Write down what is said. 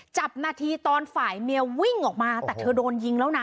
จับนาทีตอนฝ่ายเมียวิ่งออกมาแต่เธอโดนยิงแล้วนะ